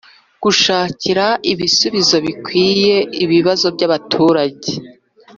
gushakira ibisubizo bikwiye ibibazo byabaturage